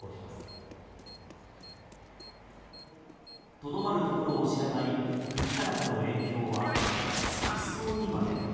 とどまるところを知らない物価高の影響は水槽にまで。